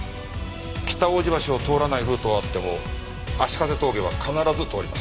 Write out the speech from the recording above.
北大路橋を通らないルートはあっても葦風峠は必ず通ります。